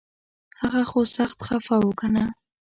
هغه خو سخت خفه و کنه